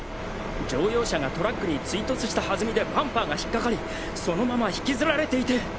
乗用車がトラックに追突したはずみでバンパーが引っかかりそのまま引きずられていて。